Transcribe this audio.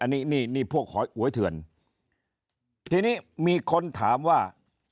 นี่พวกหวยเทือนทีนี้มีคนถามว่า